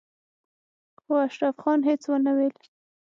خو اشرف خان هېڅ ونه ويل.